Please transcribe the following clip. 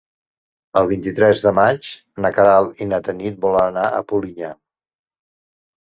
El vint-i-tres de maig na Queralt i na Tanit volen anar a Polinyà.